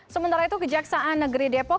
sementara itu kejaksaan negeri depok